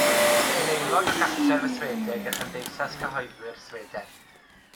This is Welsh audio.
Bu'n aelod o Gartref y Swedeg a Chymdeithas Cyhoeddwyr Sweden.